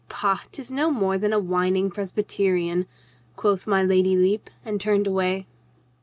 "Pah, 'tis no more than a whining Presbyterian," quoth my Lady Lepe, and turned away.